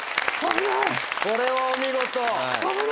これはお見事。